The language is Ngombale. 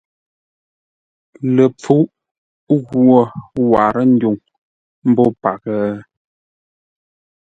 Ləpfuʼ ghwô warə́ ndwuŋ mbó paghʼə?